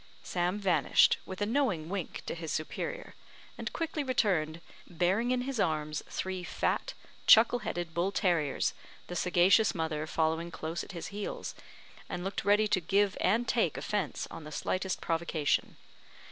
Sam vanished, with a knowing wink to his superior, and quickly returned, bearing in his arms three fat, chuckle headed bull terriers, the sagacious mother following close at his heels, and looked ready to give and take offence on the slightest provocation.